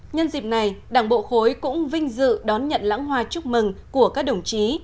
nhân dịp này đảng bộ khối cũng vinh dự đón nhận lãng hoa chúc mừng của các đồng chí